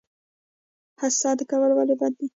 حسد کول ولې بد دي؟